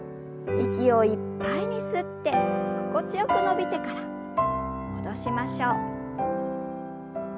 息をいっぱいに吸って心地よく伸びてから戻しましょう。